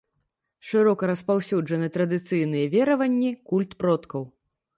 Шырока распаўсюджаны традыцыйныя вераванні, культ продкаў.